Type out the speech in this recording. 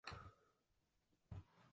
当地的主要产业是港口。